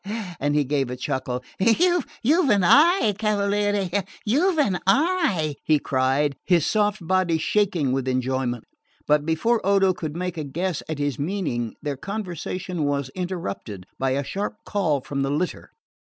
And he gave a chuckle. "You've an eye, cavaliere, you've an eye," he cried, his soft body shaking with enjoyment; but before Odo could make a guess at his meaning their conversation was interrupted by a sharp call from the litter.